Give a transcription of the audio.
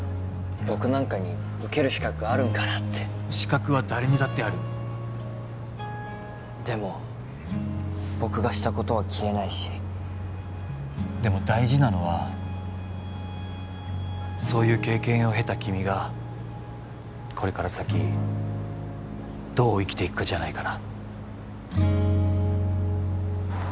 僕なんかに受ける資格あるんかなって資格は誰にだってあるでも僕がしたことは消えないしでも大事なのはそういう経験をへた君がこれから先どう生きていくかじゃないかな？